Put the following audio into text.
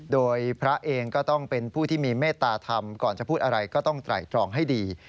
โดยพระเองก็ต้องเป็นผู้ที่มีเมตตาธรรมก่อนจะพูดอะไรก็ต้องไตรตรองให้ดี